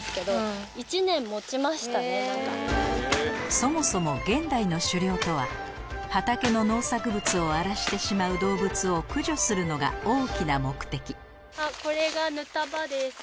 そもそも現代の狩猟とは畑の農作物を荒らしてしまう動物を駆除するのが大きな目的これがぬた場です。